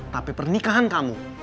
tapi pernikahan kamu